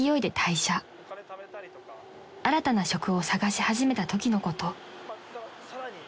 ［新たな職を探し始めたときのこと］